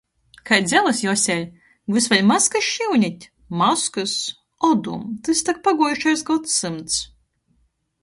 Kai dzelys, Joseļ?... Vys vēļ maskys šyunit? Maskys? Odum, tys tok paguojušais godsymts!...